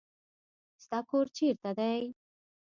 ستا کور چیرې دی؟